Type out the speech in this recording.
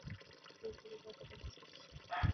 তুই চুরি করতে দেখেছিস?